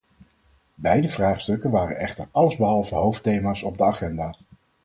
Beide vraagstukken waren echter allesbehalve hoofdthema's op de agenda.